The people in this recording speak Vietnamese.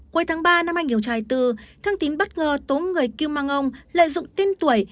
cuối tháng ba năm anh hiểu trai tư thương tín bất ngờ tốn người kêu mang ông lợi dụng tên tuổi